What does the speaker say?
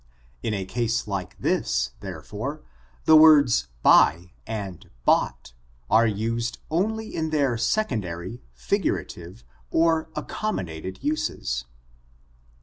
In a case like this, therefore, the words buy and bought are used only in their second ary, figurative, or accommodated uses.